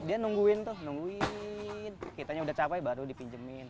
dia nungguin tuh nungguin kitanya udah capek baru dipinjemin